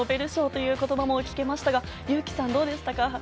ノーベル賞という言葉も聞けましたが、侑輝さん、どうでしたか？